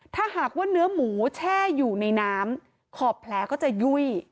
ถ้าหากว่าเนื้อหมูแช่อยู่ในน้ำขอบแผลก็จะยุ่ย